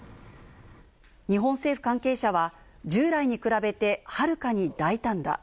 日本政府関係者は、従来に比べてはるかに大胆だ。